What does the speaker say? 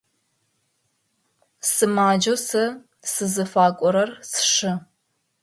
Сымаджэу сэ сызыфакӏорэр сшы.